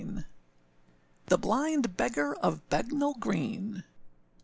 â THE BLIND BEGGAR OF BEDNALL GREEN.